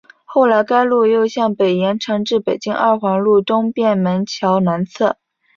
后来该路又向北延长至北京二环路东便门桥南侧。